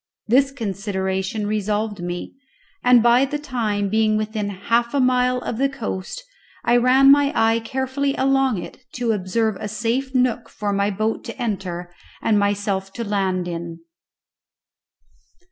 This consideration resolved me, and by this time being within half a mile of the coast, I ran my eye carefully along it to observe a safe nook for my boat to enter and myself to land in.